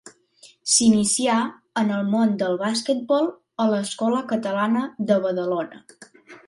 S’inicià en el món del basquetbol a l’Escola Catalana de Badalona.